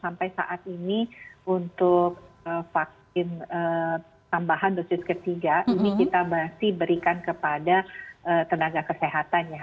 sampai saat ini untuk vaksin tambahan dosis ketiga ini kita masih berikan kepada tenaga kesehatan ya